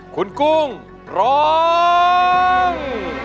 คุณกุ้งร้อง